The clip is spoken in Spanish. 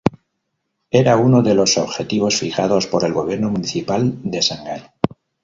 Era uno de los objetivos fijados por el gobierno municipal de Shanghái.